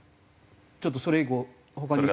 ちょっとそれ以降他に。